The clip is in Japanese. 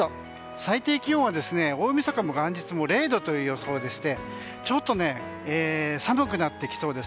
最低気温は大みそかも元日も０度という予想でしてちょっと寒くなってきそうです。